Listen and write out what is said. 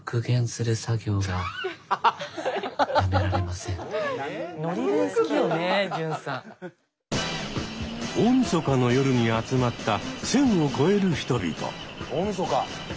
「阿佐ヶ谷パラダイス」大みそかの夜に集まった１，０００を超える人々。